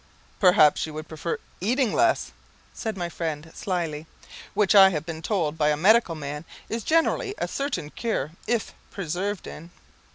"Perhaps you would prefer eating less," said my friend slyly, "which, I have been told by a medical man, is generally a certain cure if persevered in."